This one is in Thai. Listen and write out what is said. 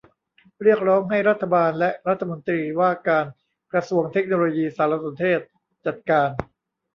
เรียกร้องให้รัฐบาลและรัฐมนตรีว่าการกระทรวงเทคโนโลยีสารสนเทศจัดการ